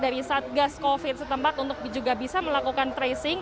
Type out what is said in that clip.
dari satgas covid setempat untuk juga bisa melakukan tracing